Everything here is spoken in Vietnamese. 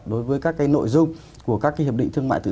đối với các nội dung của các hiệp định thương mại tự do